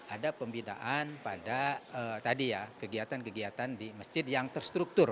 ada pembinaan pada kegiatan kegiatan di masjid yang terstruktur